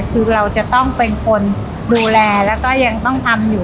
คือเราจะต้องเป็นคนดูแลแล้วก็ยังต้องทำอยู่